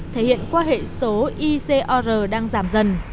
thể hiện qua hệ số icor đang giảm dần